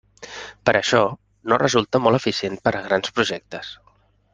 Per això, no resulta molt eficient per a grans projectes.